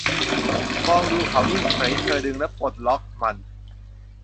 มองดูเขานิ่งเฉย เธอดึงและปลดล็อกมัน